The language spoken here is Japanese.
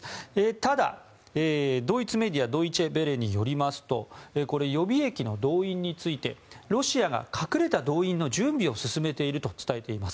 ただ、ドイツメディアドイチェ・ヴェレによりますとこれ、予備役の動員についてロシアが隠れた動員の準備を進めていると伝えています。